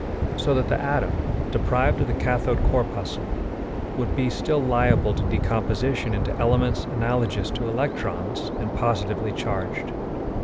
So that the atom, deprived of the cathode corpuscle, would be still liable to decomposition into elements analogous to electrons and positively charged.